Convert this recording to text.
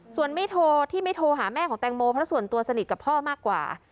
ส่วนไม่โทรที่ไม่โทรหาแม่ของแตงโมเพราะส่วนตัวสนิทกับพ่อมากกว่า